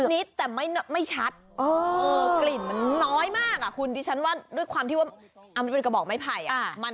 นิดแต่ไม่ชัดกลิ่นน้อยมากอ่ะด้วยความที่ทำเองว่าอย่างนี้นะมันเป็นกระป๋องไผ่อ่ะ